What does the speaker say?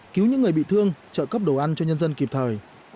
cứu những người bị thương trợ cấp đồ ăn cho nhân dân kịp thời